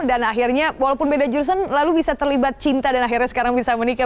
dan akhirnya walaupun beda jurusan lalu bisa terlibat cinta dan akhirnya sekarang bisa menikah